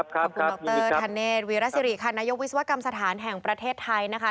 ขอบคุณบรธวิราศิริคณะยวิสวรรค์กรรมสถานแห่งประเทศไทยนะคะ